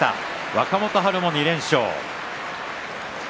若元春も２連勝。